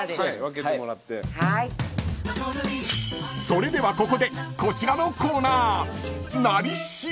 ［それではここでこちらのコーナー］